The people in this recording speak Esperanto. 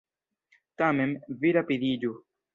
Tamen, vi rapidiĝu.